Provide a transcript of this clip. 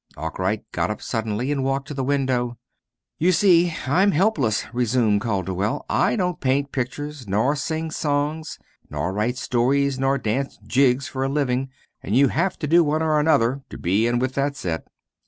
Arkwright got up suddenly, and walked to the window. "You see, I'm helpless," resumed Calderwell. "I don't paint pictures, nor sing songs, nor write stories, nor dance jigs for a living and you have to do one or another to be in with that set.